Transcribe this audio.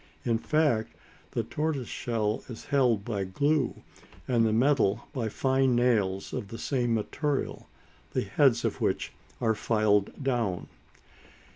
In fact, the tortoise shell is held by glue, and the metal by fine nails of the same material, the heads of which are filed down.